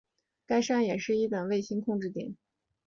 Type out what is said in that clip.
该山也是一等卫星控制点。